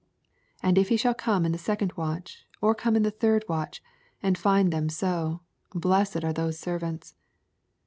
88 And if he shall come m the second watch, or come in the third watch, and find them so, blessed are those servants.